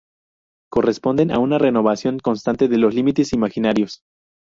Corresponden a una renovación constante de los límites imaginarios.